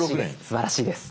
すばらしいです